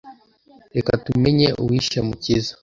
Reka tumenye uwishe Mukiza.